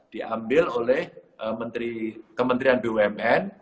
diambil oleh kementerian bumn